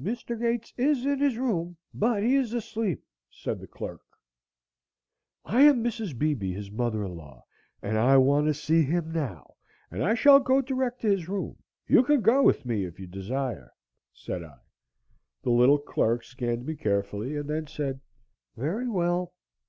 "Mr. Gates is in his room, but he is asleep," said the clerk. "I am Mrs. Beebe, his mother in law, and I want to see him now and I shall go direct to his room. You can go with me if you desire," said I. The little clerk scanned me carefully and then said, "Very well."